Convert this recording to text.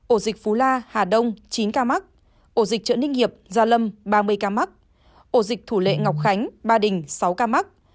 ổ dịch phú la hà đông chín ca mắc ổ dịch chợ ninh hiệp gia lâm ba mươi ca mắc ổ dịch thủ lệ ngọc khánh ba đình sáu ca mắc